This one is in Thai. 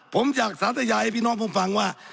ผมอยากสาธยายให้พี่น้องผมฟังว่า